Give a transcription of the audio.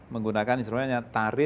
menggunakan instrumen yang tarif sama sama